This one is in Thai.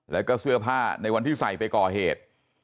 แล้วก็เสื้อผ้าในวันที่ใส่ไปก่อเหตุ